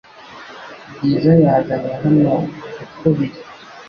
Bwiza yazanye hano uko biri